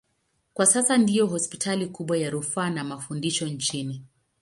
Kwa sasa ndiyo hospitali kubwa ya rufaa na mafundisho nchini.